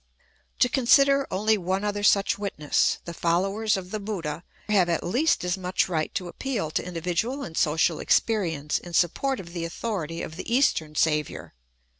To consider only one other such witness : the followers of the Buddha have at least as much right to appeal to individual and social experience in support of the authority of the Eastern saviour.